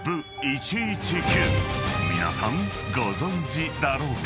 ［皆さんご存じだろうか？］